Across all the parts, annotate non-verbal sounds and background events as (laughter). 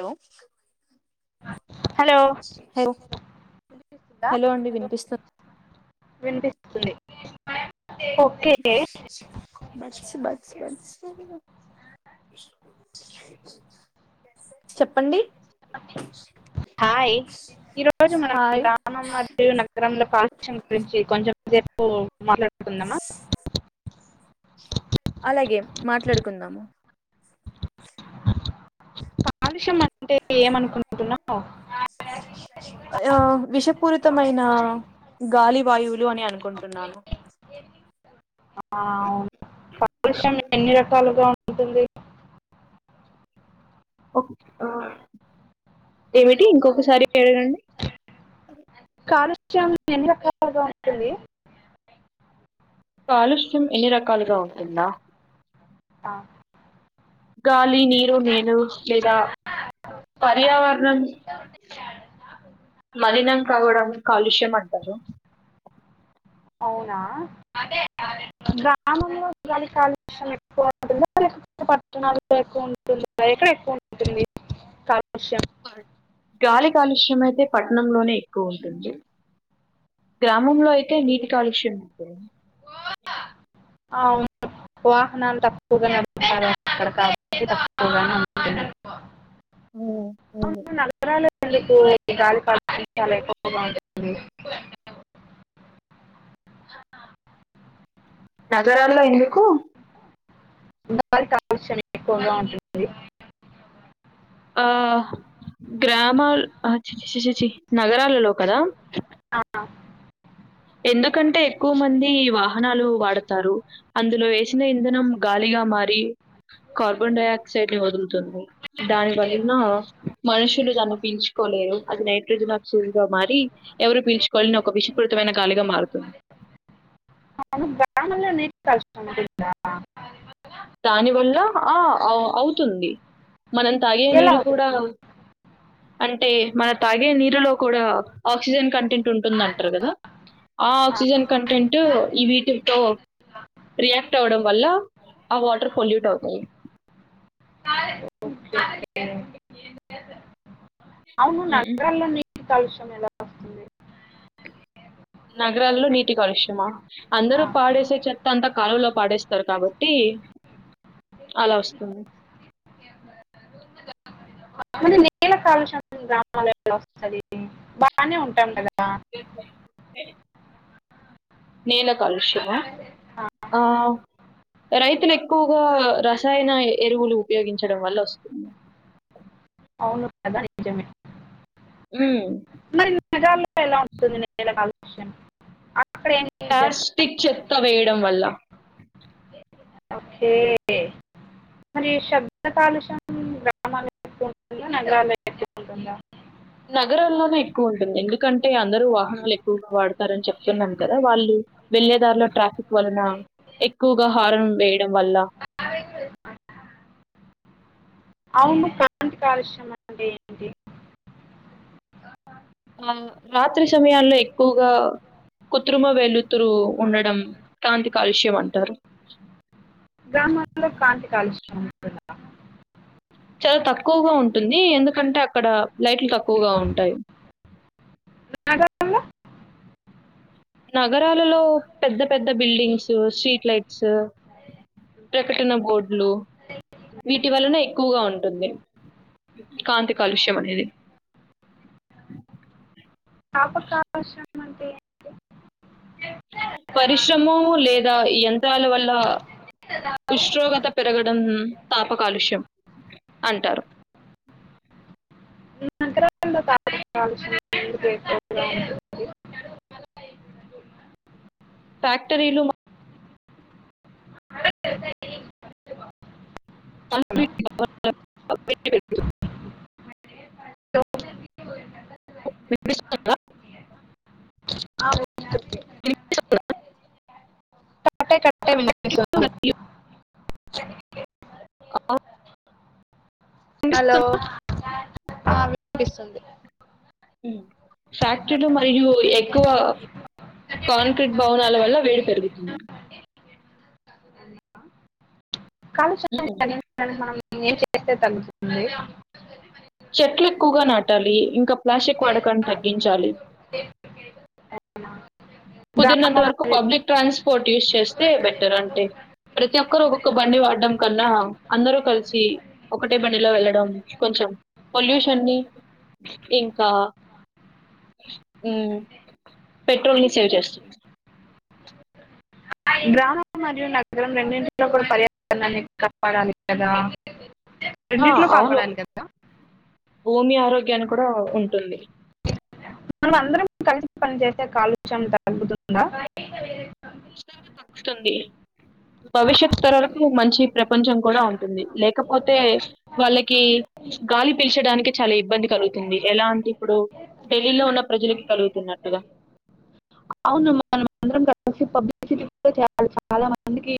Hello hello hello hello అండి వినిపిస్తు వినిపిస్తుంది ఓకే బస్ బస్ బస్ చెప్పండి హాయ్ ఈరోజు మనం హాయ్ గ్రామం మరియు నగరంలో పాఠ్యాంశం గురించి కొంచెం రేపు మాట్లాడుకుందామ అలాగే మాట్లాడుకుందాము కాలుష్యం అంటే ఏమనుకుంటున్నావు ఆ విషపూరితమైన గాలి వాయు అని అనుకుంటున్నాను ఆవు కాలుష్యం ఎన్ని రకాలుగా ఉంటుంది ఏమిటి ఇంకొకసారి అడగండి కాలుష్యం ఎన్ని రకాలుగా ఉంటుంది కాలుష్యం ఎన్ని రకాలుగా ఉంటుందా ఆ గా మ నీరు నేలా లేదా పర్యావరణం మలినం కావడం కాలుష్యం అంటారు అవునా గ్రామంలో కాలుష్యం ఎక్కువ ఉంటుందా లేకపోతే పట్టణాల్లో ఎక్కువ ఉంటుందా ఎక్కువ ఉంటుంది కాలుష్యం గాలి కాలుష్యం అయితే పట్టణంలోనే ఎక్కువ ఉంటుంది గ్రామంలో అయితే నీటి కాలుష్యం ఉంటుంది అవును వాహనాలు తక్కువగా నడుపుతారు అక్కడ కా తక్కువగా ఉ అవును నగరాల గాలి చాలా ఎక్కువ బాగుంటుంది నగరాల్లో ఎందుకు పట్టణాల్లో కాలుష్యం ఎక్కువగా ఉంటుంది ఆ గ్రామాల చి చి చి చి నగరాలలో కదా ఆ ఎందుకంటే ఎక్కువ మంది వాహనాలు వాడతారు అందులో వేసిన ఇంధనం గాలిగా మారి కార్బన్ డైఆక్సైడ్ ని వదులుత దాని వలన మనుషులు దాన్ని పీల్చుకోలేరు అది నైట్రోజన్ ఆక్సిడ్ గా మారి ఎవరు పీల్చుకోవళని స్వచ్ఛమైన గాలిగా మారుతుంది అవును (unintelligible) దాని వల్ల ఆ అ అవుతుంది మనం తాగే ఎలా నీరు కూడా అవుతుంది అంటే మనం తాగే నీరులో కూడా ఆక్సిజన్ కంట కంటెంట్ ఉంటుందంటారు కదా ఆ ఆక్సిజన్ కంటెంట్ ఈ వీటితో రియాక్ట్ అవడం వల్ల ఆ వాటర్ పోల్యూట్ అవుతాయి (unintelligible) అవును ఉమ్. నగరాల్లోని కాలుష్యం ఎలా వస్తుంది నగరల్లో నీటి కాలుష్యమా ఆ, అందరు పాడేస చె తంత కాలంలో పాడేస్తారు కాబట్టి అలా వస్తుంది నేల కాలుష్యం గ్రామల్లో వంది బాగానే ఉంటాం కదా ఎ నేల కాలుష్యమా ఆ రై ఇక్కను ఎక్కువగా రసాయన ఎరువులు ఉపయోగించడం వల్ల వస్తుంది అవును ప్రధా నిజమే ఉమ్, మ మెగా ఎలా ఉ అష ప్లాస్టిక్ చెక్క వేయడం వల్ల ఓకే మరి శబ్ద కాలుషం గ్రామాల ఎ ఉంటుందా నగరాల్లో ఎక్ ఉంటుందా నగరాల్లోనే ఎక్కువ ఉంటుంది ఎందుకంటే అందరుూ వాహనాలు ఎక్కువగా వాడతారని చెప్తున్నాం కదా వాళ్ళు వెళ్ళేదారిలో ట్రాఫిక్ వలన ఎక్కువగా ఆ, హారం వేయడం వల్ల అవును కంత కాలుష్యమ అంటే ఏంటి ఆ రాత్రి సమయాల్లో ఎక్కువగా కుత్రిమ వెల్లుతురు ఉండడం కాంతి కాలుష్యం అంటారు గ్రామలో కారాంత కాలుష చాలా తక్కువగా ఉంటుంది ఎందుకంటే అక్కడ లైట్లు తక్కువగా ఉంటాయి అ నగరాలలో పెద్ద పెద్ద బిల్డింగ్స్ స్ట్రీట్ లైట్స్ ప్రకటన బోర్డులు వీటి వలనే ఎక్కువగా ఉంటుంది కాంతి కాలుష్యం అనేది పాపకావశం అంటే ఏ పరిశ్రమ లేదా ఎంత ల వల్ల ఉష్ణోగ్రత పెరగడం స్థాప కాలుష్యం అంటారు (inaudible) త ఫక్టరీలో స (inaudible) పె (inaudible) మీ (inaudible) ఆ (inaudible) క విపి వినిపిస్తుందా? మరియు ఆ హలో ఏస్తు ఆ వినిపిస్తుంది ఫ్యాక్టరీలు మరియు ఎక్కువ కాంక్రీట్ భవనాల వల్ల వేడి పెరుగుతుంది కాల ఏం చేస్తే తగ్గుతుంది చెట్లు ఎక్కువగా నాటాలి ఇంకా ప్లాస్టిక్ వాడకాన్ని తగ్గించాలి కుదిరినంత గ్రామం వరకు మరియు పబ్లిక్ ట్రాన్స్పోర్ట్ యూస్ చేస్తే బెటర్ అంటే ప్ర ప్రతి ఒక్కరు ఒక్కొక్క బండి వాడడం కన్నా అందరూ కలిసి ఒకటే బండిలో వెళ్ళడం కొంచెం పొల్యూషన్ని ఇంకా ఊ పెట్రోల్ ని సేవ్ చేస్తున గ్రామం మరియు నగరం రెండింటిలో కూడా పర్యావరణాన్ని కాపాడాలి కదా ఆ రెండిట్లో అవును కాపాడాలి కదా భూమి ఆ ఆరోగ్యాన్ని కూడా ఉంటుంది మనం అందరం కలిసి పని చేసే కాలుష్యం తగ్గుతుందా తగ్గుతుంది కొంచం కూడా ఉంటుంది లేకపోతే వాళ్ళకి గాలి పిల్చడానికి చాలి ఇ ఇబ్బంది కలుగుతుంది ఎలా అంటే ఇప్పుడు ఢిల్లీలో ఉన్న ప్రజలకి కలుగుతున్నట్టుగా అవును మన అందరం కలిసి పబ్లిసిటీ కూడా చేయాలి చాలా మందికి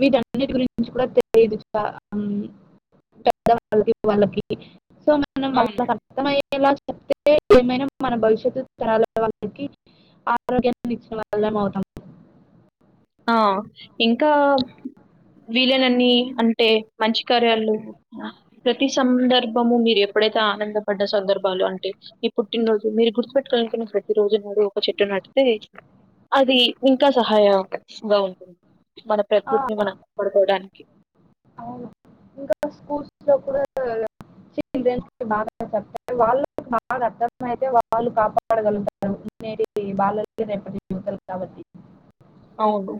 వీటన్నిటి గురించి కూడా తెలియదు చ ఊ చెప్దాం వాళ్లకి వాళ్ళకి సో మనం అవును వాళ్ళకి అర్థం అయ్యేలా చే చెప్తే ఏమైనా మన భవిష్యత్తు తరాల వాళకి ఆరోగ్యన్ని ఇచ్చినవాళ్ళం అవుతాం ఆ ఇంకా వీలనన్ని అంటే మంచి కార్యాలు ప్రతి సందర్భము మీరు ఎప్పుడైతే ఆనంద పడ్డ సందర్భాలు అంటే ఈ పుట్టినరోజు మీరు గుర్తుపెట్టుకోనుకున్న ప్రతి రోజు నాడు ఒక చెట్టు నటితే అది ఇంకా సహాయం షుగ ఉంటుంది మన ఆ, ప్రకృతిని మనం కాపాడుకోవడానికి అవును ఇంకా స్కూల్స్ లో కూడా చిల్డ్రన్ బాగా చెప్పారు వాళ్ళ బాగా అర్థం అయితే వాళ్ళు కాపాడగలుగుతారు నేటి బాలలే రేపటి యువతలు కాబట్టి అవును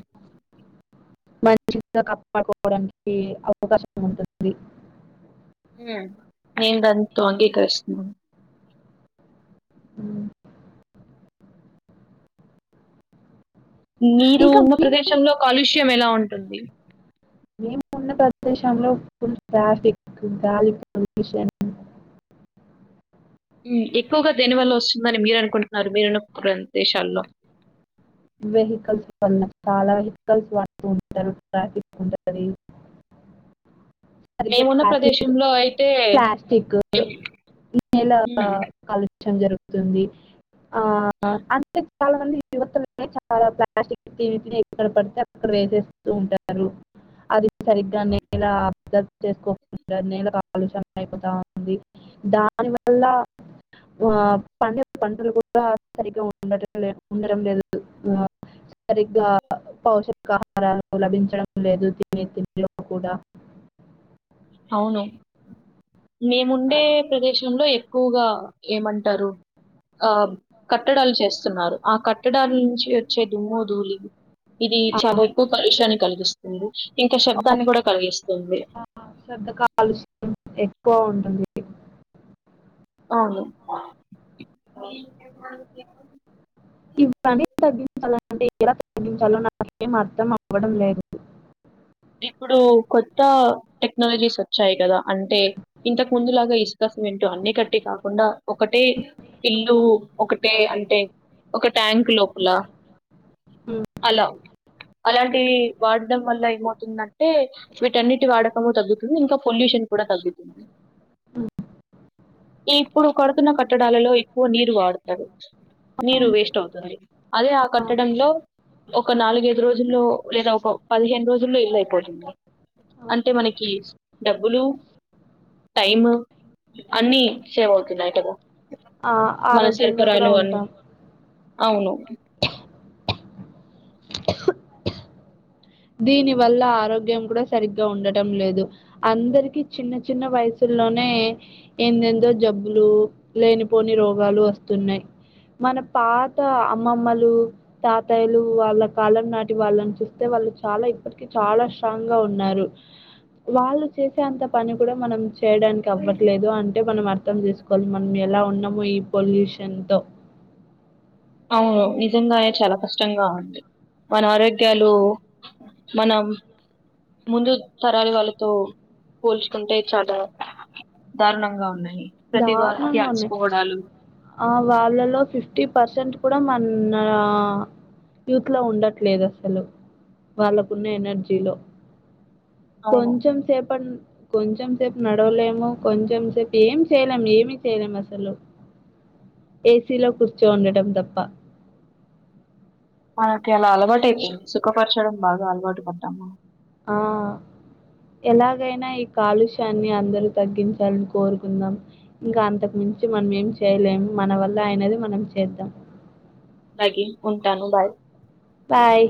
మంచిగ కాపాడుకోవడానికి కీ అవకాశం ఉంటుంది నేన్ దాంతో అంగీకరిస్తున్న ఊ మీరు ఇంకా ఉన్న మేము ప్రదేశంలో కాలుష్యం ఎలా ఉంటుంది మేం ఉన్న ప్రదేశంలో ఫుల్ ట్రాఫిక్ గాలి పొల్యూషన్ ఎక్కువగా దేని వల్ల వస్తుందని మీరు అనుకుంటున్నారు మీరున్న ప్రదేశాల్లో వెహికల్స్ వల చాలా వెహికల్స్ వాడుతూ ఉంటారు ట్రాఫిక్ ఉంటది సరిగా మేమున్న ప్లాస్టిక్ ప్రదేశంలో అయితే ప్లాస్టికు ఎప్ ఎలా హ్మ్. కలు చం జరుగుతుంది ఆ చాలామంది యువతలె నే చాలా ప్లాస్టిక్ని ఎక్కడ పడితే అక్కడ వేసేస్తూ ఉంటారు అది సరిగ్గ నేల గద్ చేసుకో నేలకు ఆలోచన అయిపోతా ఉంది దాని వల్ల ఆ పండే పంటలు కూడా సరిగా ఉండట లే ఉండట లేదు సరిగా పౌషకాహారాలు లభించడం లేదు తినే తిండిలో కూడా అవును ఆ, మేముండే ప్రదేశంలో ఎక్కువగా ఏమంటారు ఆ కట్టడాలు చేస్తున్నారు ఆ కట్టడాల నుంచి వచ్చే దుమ్ము ధూలి ఇది ఆ, చాలా ఎక్కువ కాలుష్యాన్ని కలిగిస్తుంది ఇంకా శబ్దాన్ని కూడా కలిగిస్తుంది ఆ, శబ్ద కాలుష్యం ఎక్కువ ఉంటుంది అవును ఇవన్నీ తగ్గించాలంటే ఎలా తగ్గించాలో నాకేం అర్థం అవడం లేదు ఇప్పుడు కొత్త టెక్నాలజీస్ వచ్చాయి కదా అంటే ఇంతకు ముందులాగా ఇసుక సిమెంటట్ అన్ని కట్టి కాకుండా ఒకటే ఇల్లు ఒకటే అంటే ఒక ట్యాంక్ లోపల ఉమ్, హలో అలాంటివి వాడడం వల్ల ఏమవ్ దంటే వీటన్నిటి వాడకము తగ్గుతుంది ఇంకా పొల్యూషన్ కూడా తగ్గుతుంది ఉ ఈ ఇప్పుడు కడుతున్న కట్టడాలలో ఎక్కువ నీరు వాడతాడు నీరు వేస్ట్ అవుతుంది అదే ఆ కట్టడంలో ఒక నాలుగైదు రోజుల్లో లేదా ఒక పదిహేను రోజులు జులో ఇల్లు అయిపోతుంది అంటే మనకి డబ్బులు టైమ్ అన్ని సేవ్ అవుతున్నాయి కదా ఆ, మన ఆరోగ్యంగా కూడా శరికరాలు అన్ని ఉంటాం అవును దీని వల్ల ఆరోగ్యం కూడా సరిగ్గా ఉండటం లేదు అందరికి చిన్న చిన్న వయసుల్లోనే ఎందెందో జబ్బులు లేనిపోని రోగాలు వస్తున్నాయి మన పాత అమ్మమ్మలు తాతాయ్యలు వాళ్ళ కాలం నాటి వాళ్ళని చూస్తే వాళ్ళు చాలా ఇప్పటికి చాలా స్ట్రాంగ్ గా ఉన్నారు వాళ్ళు చేసేంత పని కూడా మనం చేయడానికి అవ్వట్లేదు అంటే మనం అర్థం చేసుకోవాలి మనం ఎలా ఉన్నామో ఈ పొల్యూషన్ ఎంతో అవును నిజంగానే చాలా కష్టంగా ఉంది మన ఆరోగ్యాలు మన ముందు తరాలు వాళ్ళతో పోల్చుకుంటే చాలా దారుణంగా ఉన్నాయి ప్రతి వారికి దారుణంగా ఉన్నాయి అలసిపోవడాలు ఆ వాళ్ళలో ఫిఫ్టీ పర్సెంట్ కూడా మన యూత్లో ఉండట్లేదు అసలు వాళ్ళకున్న ఎనర్జీలో అవును కొంచం సేప కొంచెం సేపు నడవలేము కొంచెం సేపు ఏం చేయలేం ఏమి చేయలేం అసలు ఏసీలో కూర్చో ఉండటం తప్ప మనకి అలా అలవాటు అవుంది సుఖపరచడం బాగా అలవాటు పడ్డామా ఆ ఎలాగైనా ఈ కాలుష్యాన్ని అందరూ తగ్గించాలని కోరుకుందాం ఇంకా అంతకు మించి మనం ఏం చేయలేము మన వల్ల అయినది మనం చేద్దాం లాగీ ఉంటాను బాయ్ బాయ్